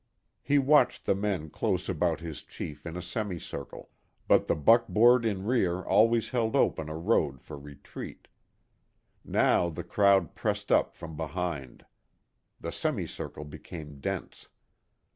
He watched the men close about his chief in a semicircle, but the buckboard in rear always held open a road for retreat. Now the crowd pressed up from behind. The semicircle became dense.